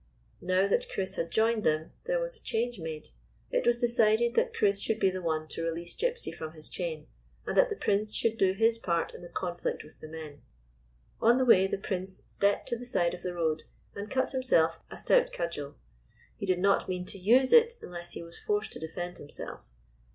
Now that Chris had joined them, there was a change made : it was decided that Chris should be the one to release Gypsy from his chain, and that the Prince should do his part in the conflict with the men. On the way the Prince stepped to the side of the road, and cut himself a stout cudgel. He did not mean to use it unless he was forced to defend himself.